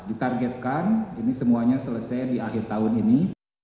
ditargetkan ini semuanya selesai di akhir tahun ini